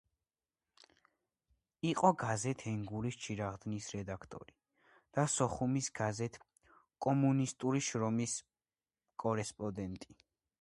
იყო გაზეთ „ენგურის ჩირაღდნის“ რედაქტორი და სოხუმის გაზეთ „კომუნისტური შრომის“ კორესპონდენტი.